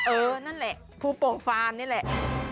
เออนั่นแหละภูโปะฟาร์มนี่แหละ